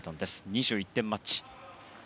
２１点マッチ。